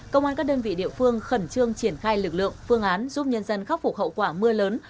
công an các đơn vị địa phương khẩn trương triển khai lực lượng phương án giúp nhân dân khắc phục hậu quả mưa lớn